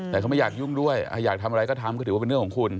แต่เขาไม่อยากยุ่งด้วยอยากทำอะไรก็ทำก็ถือว่าเป็นเรื่องของคุณ